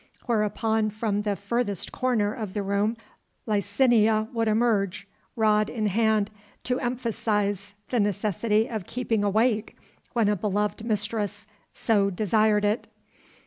Whereupon from the furthest corner of the room Licinia would emerge, rod in hand, to emphasise the necessity of keeping awake when a beloved mistress so desired it.